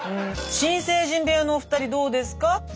新成人部屋のお二人どうですか？